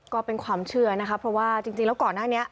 ก็เป็นความเชื่อนะคะเพราะว่าจริงแล้วก่อนหน้านี้